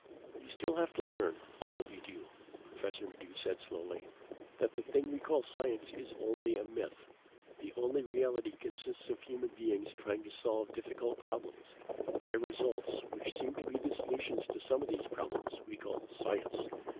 "You still have to learn, all of you do," Professor Maddox said slowly, "that the thing we call science is only a myth. The only reality consists of human beings trying to solve difficult problems. Their results, which seem to be solutions to some of those problems, we call science.